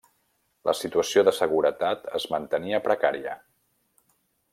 La situació de seguretat es mantenia precària.